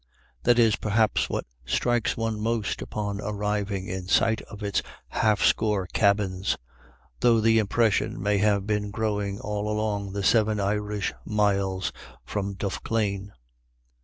That is, perhaps, what strikes one most upon arriving in sight of its half score cabins, though the impression may have been growing all along the seven Irish miles from Duff clane.